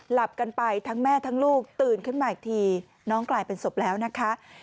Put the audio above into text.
หลับกันไปทั้งแม่ทั้งลูกตื่นขึ้นมาอีกทีน้องกลายเป็นศพแล้วนะคะ